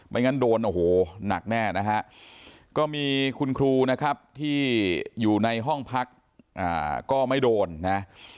งั้นโดนโอ้โหหนักแน่นะฮะก็มีคุณครูนะครับที่อยู่ในห้องพักก็ไม่โดนนะ